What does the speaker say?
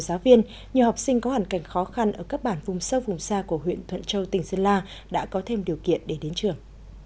giáo viên nhiều học sinh có hoàn cảnh khó khăn ở các bản vùng sâu vùng xa của huyện thuận châu tỉnh sơn la đã có thêm điều kiện để đến trường